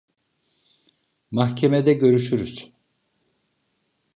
Mahkemede görüşürüz.